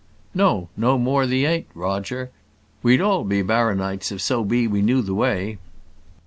"Nor, no more thee h'ant, Roger. We'd all be barrownites if so be we knew the way."